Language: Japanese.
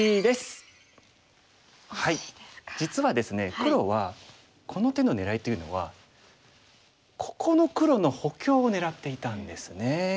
黒はこの手の狙いというのはここの黒の補強を狙っていたんですね。